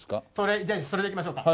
じゃあそれでいきましょうか。